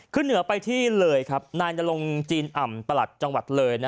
ขึ้นเหนือไปที่เลยครับนายนรงจีนอ่ำประหลัดจังหวัดเลย